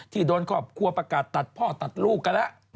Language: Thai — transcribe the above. โดนครอบครัวประกาศตัดพ่อตัดลูกกันแล้ว